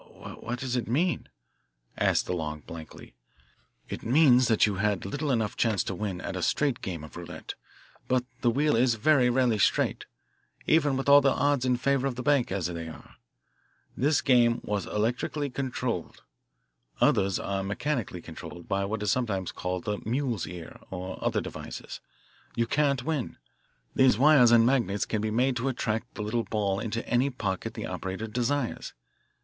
"Wh what does it mean?" asked DeLong blankly. "It means that you had little enough chance to win at a straight game of roulette. But the wheel is very rarely straight, even with all the odds in favour of the bank, as they are. This game was electrically controlled. Others are mechanically controlled by what is sometimes called the 'mule's ear,' and other devices. You can't win. These wires and magnets can be made to attract the little ball into any pocket the operator desires.